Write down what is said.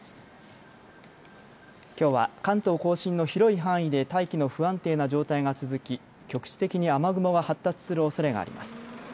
きょうは関東甲信の広い範囲で大気の不安定な状態が続き局地的に雨雲が発達するおそれがあります。